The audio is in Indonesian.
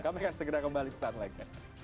kami akan segera kembali setelah itu